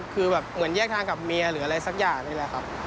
คือแบบเหมือนแยกทางกับเมียหรืออะไรสักอย่างนี่แหละครับ